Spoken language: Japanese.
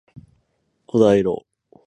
五大老と五奉行の役割はこのようなものでした。